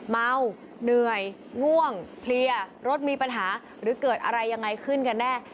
เมาเหนื่อยง่วงเพลียรถมีปัญหาหรือเกิดอะไรยังไงขึ้นกันแน่